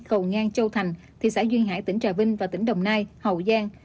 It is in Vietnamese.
cầu ngang châu thành thị xã duyên hải tỉnh trà vinh và tỉnh đồng nai hậu giang